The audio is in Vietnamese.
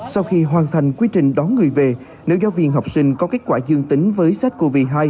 sau khi hoàn thành quy trình đón người về nữ giáo viên học sinh có kết quả dương tính với sars cov hai